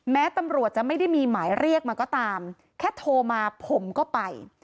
แม้ตำรวจจะไม่ได้มีหมายเรียกมาก็ตามแค่โทรมาผมก็ไป